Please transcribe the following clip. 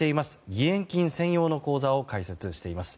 義援金専用の口座を開設しています。